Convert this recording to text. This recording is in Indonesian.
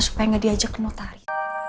supaya nggak diajak ke notari